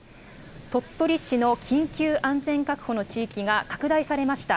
鳥取市の緊急安全確保の地域が拡大されました。